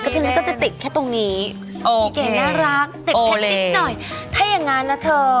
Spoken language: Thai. มันก็จะติดแค่ตรงนี้น่ารักติดแพทย์นิดหน่อยถ้าอย่างนั้นนะเธอ